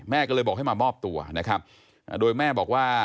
แม่ก็เลยบอกให้มามอบตัวโดยแม่บอกว่า